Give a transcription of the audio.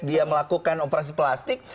dia melakukan operasi plastik